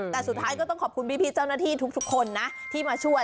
แต่สุดท้ายก็ต้องขอบคุณพี่เจ้าหน้าที่ทุกคนนะที่มาช่วย